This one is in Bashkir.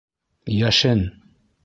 Йәшен!